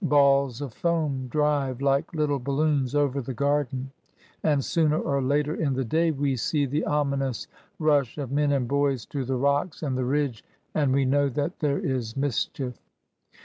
Balk of foam drive^ like little balloons^ over the garden ; and^ sooner or later in the day, we see the ominous rush of men and boys to the rocks and the ridge, and we know that there is mischief.